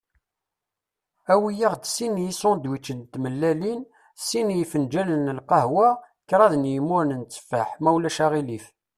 Awi-aɣ-d sin n yisandwicen n tmellalin, sin n yifenǧalen n lqehwa, kraḍ n yimuren n tteffeḥ, ma ulac aɣilif.